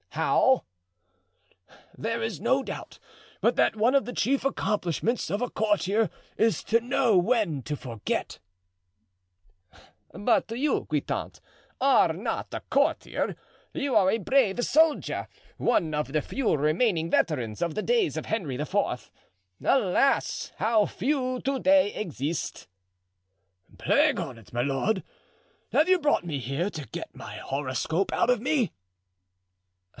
"How?" "There is no doubt but that one of the chief accomplishments of a courtier is to know when to forget." "But you, Guitant, are not a courtier. You are a brave soldier, one of the few remaining veterans of the days of Henry IV. Alas! how few to day exist!" "Plague on't, my lord, have you brought me here to get my horoscope out of me?"